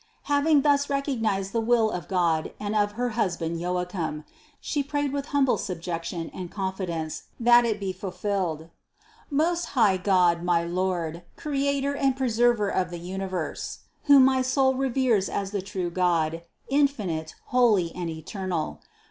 Hav ing thus recognized the will of God and of her husband Joachim, she prayed with humble subjection and confi dence, that it be fulfilled. "Most high God, my Lord, Creator and Preserver of the universe, whom my soul reveres as the true God, infinite, holy and eternal